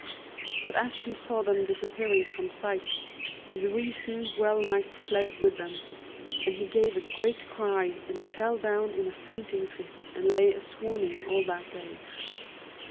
But as he saw them disappearing from sight, his reason well nigh fled with them, and he gave a great cry and fell down in a fainting fit and lay a swooning all that day.